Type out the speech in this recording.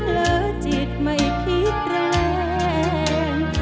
เลิศจิตไม่พิกแรง